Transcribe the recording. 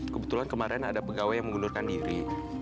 kebetulan kemarin ada pegawai yang mengundurkan diri